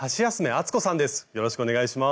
よろしくお願いします。